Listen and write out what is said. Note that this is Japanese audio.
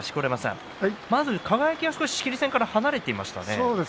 錣山さん、輝、仕切り線から離れていましたね。